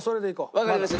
わかりました。